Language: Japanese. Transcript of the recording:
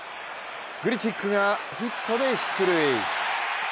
グリチックがヒットで出塁。